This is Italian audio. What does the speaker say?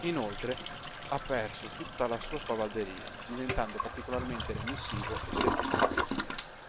Inoltre ha perso tutta la sua spavalderia, diventando particolarmente remissivo e servile.